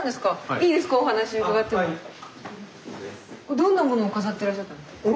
どんなものを飾ってらっしゃったんですか？